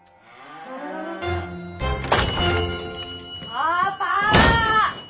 パパ！